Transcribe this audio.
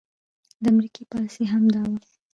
د امريکې پاليسي هم دا وه